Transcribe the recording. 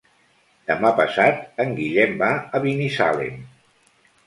Demà passat en Guillem va a Binissalem.